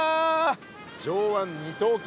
上腕二頭筋